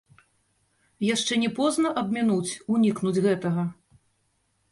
Яшчэ не позна абмінуць, унікнуць гэтага?